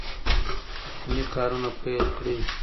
کوچني کارونه پیل کړئ.